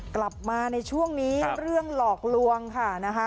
กลับมาในช่วงนี้เรื่องหลอกลวงค่ะนะคะ